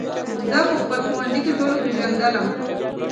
زه په خپل ښوونځي کې ټولو پېژندلم